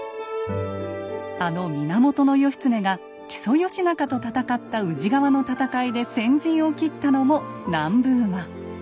あの源義経が木曽義仲と戦った宇治川の戦いで先陣を切ったのも南部馬。